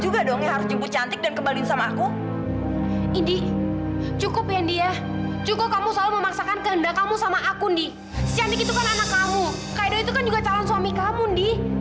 barang yang bisa ditinggalin seenak enaknya di bangku taman